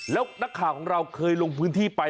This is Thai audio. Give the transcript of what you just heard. แล้วนักข่าวของเราเคยลงพื้นที่ไป